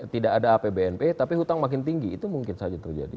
tidak ada apbnp tapi hutang makin tinggi itu mungkin saja terjadi